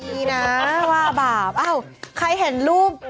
ดีนะว่าบาปอ้าวใครเห็นรูป